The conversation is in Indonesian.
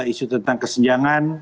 isu tentang kesenjangan